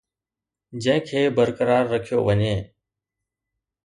جنهن کي برقرار رکيو وڃي